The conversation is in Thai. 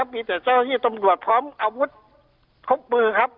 มีแต่เจ้าที่ตำรวจพร้อมอาวุธครบมือครับ